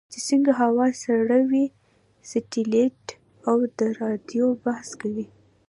چې څنګه هوا سړوي سټلایټ او د رادیو بحث کوي.